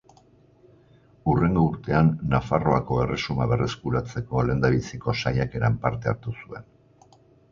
Hurrengo urtean, Nafarroako Erresuma berreskuratzeko lehendabiziko saiakeran parte hartu zuen.